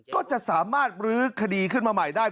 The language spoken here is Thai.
ก็จะสามารถรื้อคดีขึ้นมาใหม่ได้